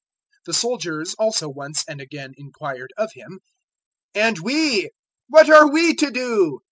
003:014 The soldiers also once and again inquired of him, "And we, what are we to do?"